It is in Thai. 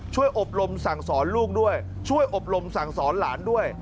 ช่วยอบรมสั่งศรลูกด้วยช่วยอบรมสั่งศรล้านด้วย